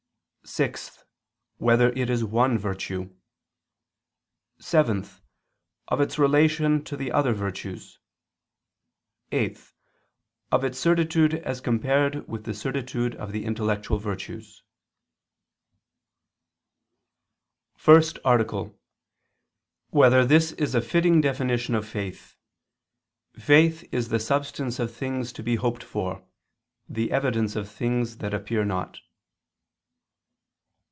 (6) Whether it is one virtue? (7) Of its relation to the other virtues; (8) Of its certitude as compared with the certitude of the intellectual virtues. _______________________ FIRST ARTICLE [II II, Q. 4, Art. 1] Whether This Is a Fitting Definition of Faith: "Faith Is the Substance of Things to Be Hoped For, the Evidence of Things That Appear Not?"